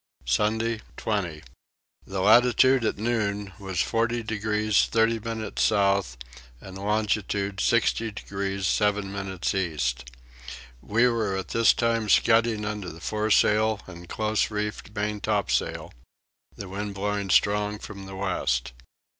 Sunday 20. The latitude at noon was 40 degrees 30 minutes south and longitude 60 degrees 7 minutes east. We were at this time scudding under the fore sail and close reefed main top sail, the wind blowing strong from the west.